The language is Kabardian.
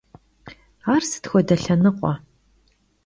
Ar sıt xuede lhenıkhue?